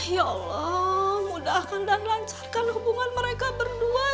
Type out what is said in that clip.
ya allah mudahkan dan lancarkan hubungan mereka berdua